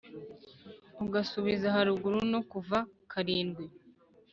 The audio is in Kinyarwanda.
ugasubiza haruguru no kuva karindwi